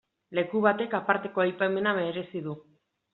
Leku batek aparteko aipamena merezi du.